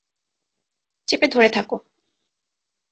চেপে ধরে থাকো।